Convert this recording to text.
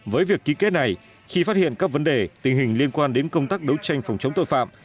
với việc ký kết này khi phát hiện các vấn đề tình hình liên quan đến công tác đấu tranh phòng chống tội phạm